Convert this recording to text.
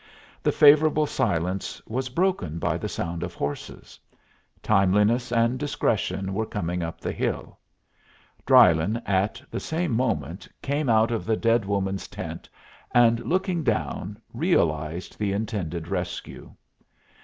The favorable silence was broken by the sound of horses. Timeliness and discretion were coming up the hill. Drylyn at the same moment came out of the dead woman's tent, and, looking down, realized the intended rescue.